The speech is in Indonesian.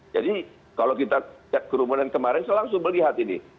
jadi kalau kita lihat kerumunan kemarin kita langsung melihat ini